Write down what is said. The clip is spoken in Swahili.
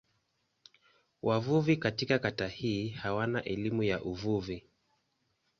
Wavuvi katika kata hii hawana elimu ya uvuvi.